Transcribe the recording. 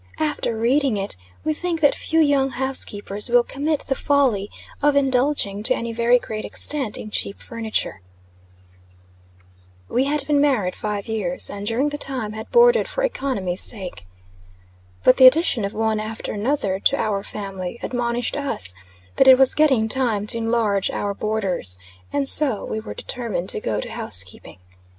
After reading it, we think that few young housekeepers will commit the folly of indulging to any very great extent in cheap furniture. We had been married five years, and during the time had boarded for economy's sake. But the addition of one after another to our family, admonished us that it was getting time to enlarge our borders; and so we were determined to go to housekeeping.